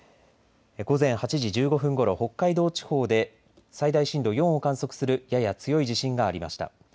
午前８時１５分ごろ北海道地方で最大震度４を観測するやや強い地震がありました。